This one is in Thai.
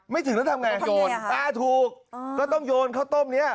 ถึงแล้วทำไงโยนอ่าถูกก็ต้องโยนข้าวต้มเนี้ย